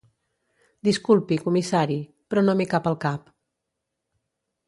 Disculpi, comissari, però no m'hi cap al cap.